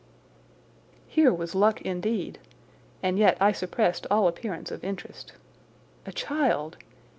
Here was luck indeed! And yet I suppressed all appearance of interest. A child!